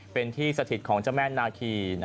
เป็นที่สถิตของเจ้าแม่นาคี